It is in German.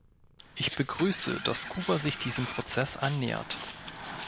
Ich begrüße, dass Kuba sich diesem Prozess annähert.